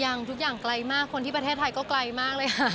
ทุกอย่างไกลมากคนที่ประเทศไทยก็ไกลมากเลยค่ะ